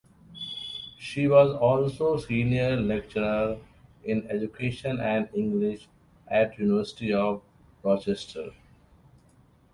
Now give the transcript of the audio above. She was also Senior Lecturer In Education and English at University of Rochester.